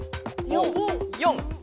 ４。